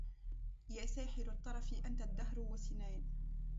يا ساحر الطرف أنت الدهر وسنان